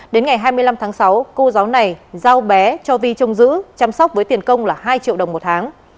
đến ngày hai mươi năm tháng sáu cô giáo này giao bé cho vi trông giữ chăm sóc với tiền công là hai triệu đồng một tháng